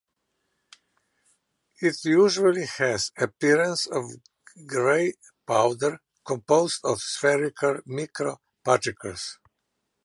It usually has the appearance of grey powder, composed of spherical microparticles.